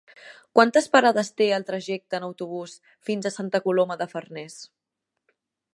Quantes parades té el trajecte en autobús fins a Santa Coloma de Farners?